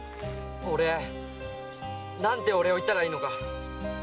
俺何てお礼を言ったらいいのか。